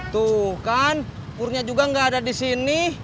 tuh kan kurnya juga nggak ada di sini